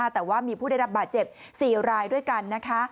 แต่ว่ามีผู้ได้รับบาดเจ็บ๔รายด้วยกันนะคะ